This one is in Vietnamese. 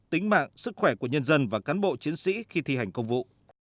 tính mạng sức khỏe của nhân dân và cán bộ chiến sĩ khi thi hành công vụ